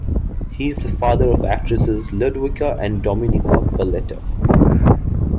He is the father of actresses Ludwika and Dominika Paleta.